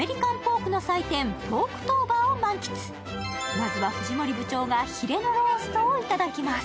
まずは藤森部長がヒレのローストを頂きます。